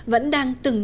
vẫn đang từng ngày